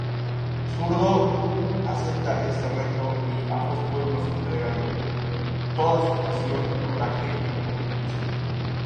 Zurdo acepta ese reto, y ambos pueblos entregan toda su pasión, coraje y optimismo.